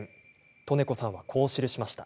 利根子さんは、こう記しました。